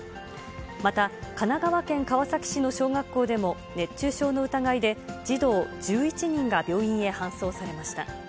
また神奈川県川崎市の小学校でも、熱中症の疑いで、児童１１人が病院へ搬送されました。